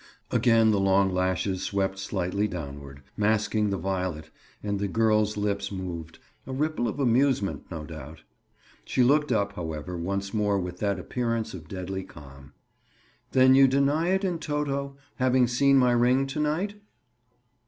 Again the long lashes swept slightly downward, masking the violet, and the girl's lips moved—a ripple of amusement, no doubt. She looked up, however, once more with that appearance of deadly calm. "Then you deny it, in toto, having seen my ring to night?"